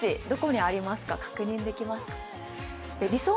どこにあるか確認できますか？